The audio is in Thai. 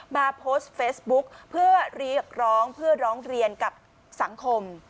มาโพสต์เฟซบุ๊กเพื่อเรียกร้องเพื่อร้องเรียนกับสังคม